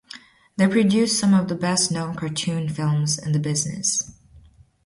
They produce some of the best-known cartoon films in the business.